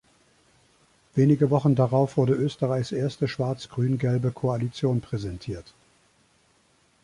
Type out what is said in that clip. Wenige Wochen darauf wurde Österreichs erste schwarz-grün-gelbe Koalition präsentiert.